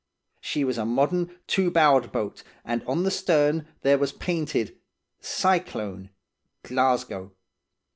She was a modern, two bowed boat, and on the stern there was painted 'Cyclone, Glasgow.